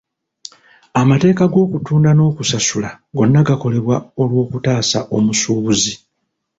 Amateeka g'okutunda n'okusasula gonna gakolebwa olw'okutaasa omusuubuzi.